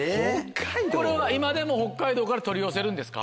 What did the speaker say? これは今でも北海道から取り寄せるんですか？